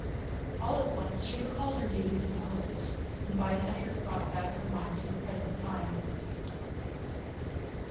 All at once she recalled her duties as hostess, and by an effort brought back her mind to the present time.